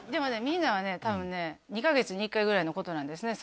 みんなはね多分ね２カ月に１回ぐらいのことなんですね